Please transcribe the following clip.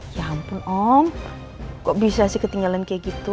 ya ampun om kok bisa sih ketinggalan kayak gitu